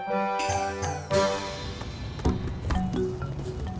pero kan itu